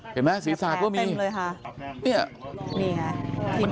เห็นไหมศีรษะก็มีมีแผลเต็มเลยค่ะ